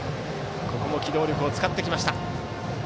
ここも機動力を使ってきました。